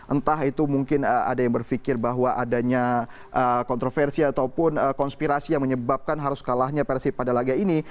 entah itu mungkin ada yang berpikir bahwa adanya kontroversi ataupun konspirasi yang menyebabkan harus kalahnya persib pada laga ini